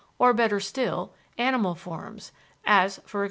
or better still, animal forms, as e.g.